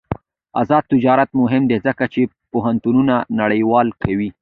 آزاد تجارت مهم دی ځکه چې پوهنتونونه نړیوال کوي.